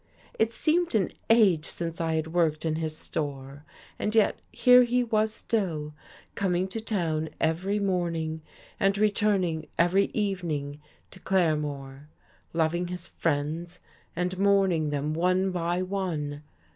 It seemed an age since I had worked in his store, and yet here he was still, coming to town every morning and returning every evening to Claremore, loving his friends, and mourning them one by one.